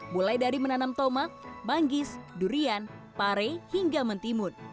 mulai dari menanam tomat banggis durian pare hingga mentimun